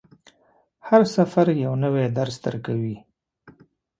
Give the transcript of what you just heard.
هر سفر یو نوی درس درکوي.